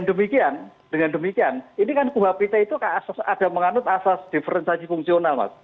dengan demikian ini kan uhpt itu ada menganut asas diferensasi fungsional